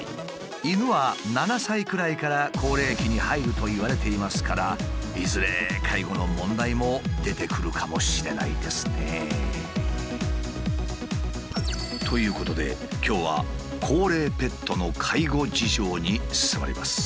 犬は７歳くらいから高齢期に入るといわれていますからいずれ介護の問題も出てくるかもしれないですね。ということで今日は高齢ペットの介護事情に迫ります。